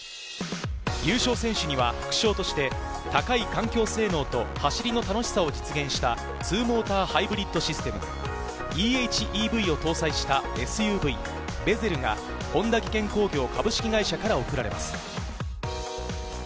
優勝選手には副賞として高い環境性能と、走りの楽しさを実現した２モーターハイブリッドシステム・ｅ：ＨＥＶを搭載したＳＵＶヴェゼルが本田技研工業株式会社から贈られます。